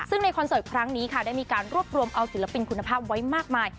ซึ่งในคอนเสิร์ตครั้งนี้ค่ะได้มีการรวบรวมเอาศิลปินคุณภาพไว้มากมาย